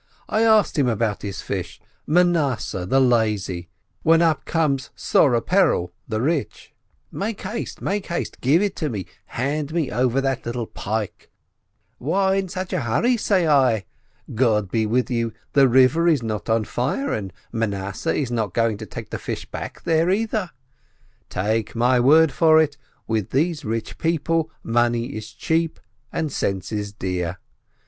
I asked him about his fish — Manasseh, the lazy — when up comes Soreh Peril, the rich: Make haste, give it me, hand me over that little pike !— Why in such a hurry ? say I. God be with you, the river is not on fire, and Manasseh is not going to take the fish back there, either. Take my word for it, with these rich people money is cheap, and sense is dear.